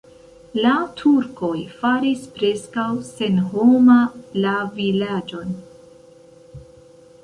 La turkoj faris preskaŭ senhoma la vilaĝon.